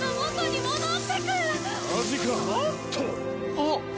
あっ！